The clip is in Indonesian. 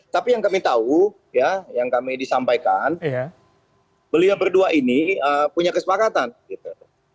tapi yang kami tahu ya yang kami disampaikan beliau berdua ini punya kesepakatan gitu